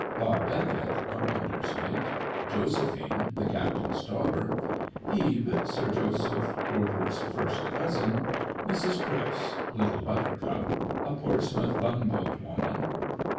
BOB BECKET (Carpenter's Mate). JOSEPHINE (the Captain's Daughter). HEBE (Sir Joseph Porter's First Cousin). MRS. CRIPPS (LITTLE BUTTERCUP) (A Portsmouth Bumboat Woman).